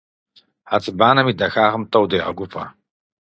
Хьэцыбанэм и дахагъэм тӀэу дегъэгуфӀэ.